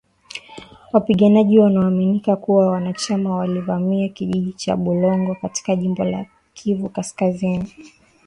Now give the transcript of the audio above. wapiganaji wanaoaminika kuwa wanachama walivamia kijiji cha Bulongo katika jimbo la Kivu kaskazini